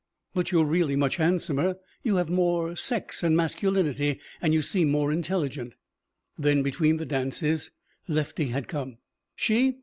"But you're really much handsomer. You have more sex and masculinity and you seem more intelligent." Then, between the dances, Lefty had come. "She?